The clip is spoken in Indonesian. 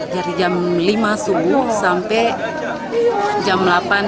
dari jam lima subuh sampai jam delapan